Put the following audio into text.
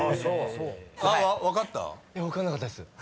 分かんなかったです。